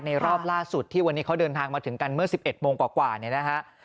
รอบล่าสุดที่วันนี้เขาเดินทางมาถึงกันเมื่อ๑๑โมงกว่าเนี่ยนะฮะ